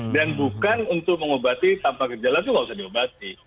dan bukan untuk mengobati tanpa gejala itu nggak usah diobati